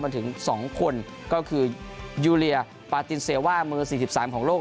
มาถึงสองคนก็คือยูเลียปาตินเซว่ามือสี่สิบสามของโลก